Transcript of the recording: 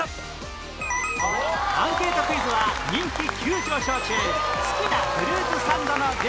アンケートクイズは人気急上昇中好きなフルーツサンドの具